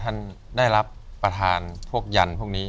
ท่านได้รับประทานพวกยันพวกนี้